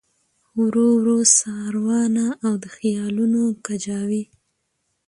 ورو ورو ساروانه او د خیالونو کجاوې